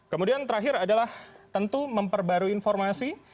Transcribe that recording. kemudian terakhir adalah tentu memperbarui informasi